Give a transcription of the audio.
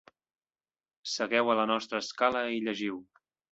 Segueu a la nostra escala i llegiu.